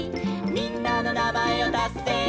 「みんなのなまえをたせば」